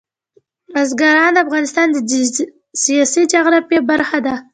بزګان د افغانستان د سیاسي جغرافیه برخه ده.